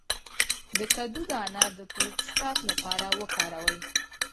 د کدو دانه د پروستات لپاره وکاروئ